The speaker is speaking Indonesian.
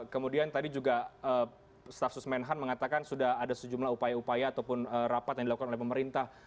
kemudian tadi juga staf sus menhan mengatakan sudah ada sejumlah upaya upaya ataupun rapat yang dilakukan oleh pemerintah